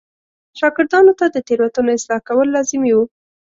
شاګردانو ته د تېروتنو اصلاح کول لازمي و.